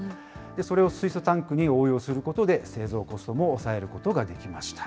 それを水素タンクに応用することで、製造コストを抑えることができました。